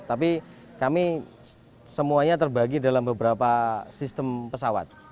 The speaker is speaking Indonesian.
tapi kami semuanya terbagi dalam beberapa sistem pesawat